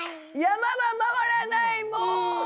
山は回らないもう！